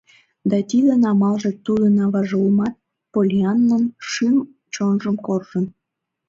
Да тидын амалже тудын аваже улмат Поллианнан шӱм-чонжым коржын.